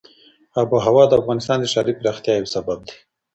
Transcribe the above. آب وهوا د افغانستان د ښاري پراختیا یو سبب دی.